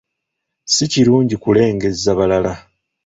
Si kirungi kulengezza balala.